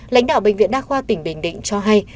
lãnh đạo bệnh viện đa khoa tỉnh bình định cho hay